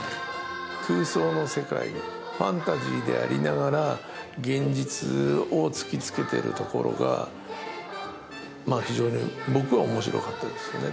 空想の世界ファンタジーでありながら現実を突きつけてるところが非常に僕は面白かったですよね。